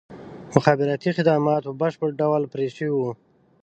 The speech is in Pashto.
مخابراتي خدمات په بشپړ ډول پرې شوي وو.